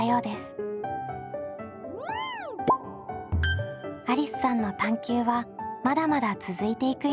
ありすさんの探究はまだまだ続いていくようです。